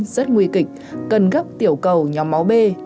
rất nguy kịch cần gấp tiểu cầu nhóm máu b